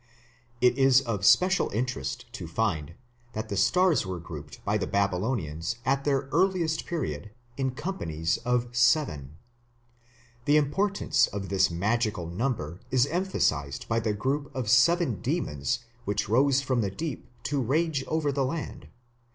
It is of special interest to find that the stars were grouped by the Babylonians at the earliest period in companies of seven. The importance of this magical number is emphasized by the group of seven demons which rose from the deep to rage over the land (p. 71).